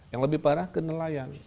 yang lebih parah ke nelayan